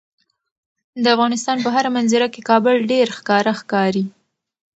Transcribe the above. د افغانستان په هره منظره کې کابل ډیر ښکاره ښکاري.